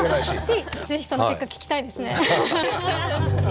是非その結果聞きたいですね。